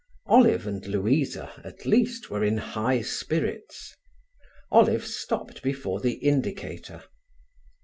Olive and Louisa, at least, were in high spirits. Olive stopped before the indicator.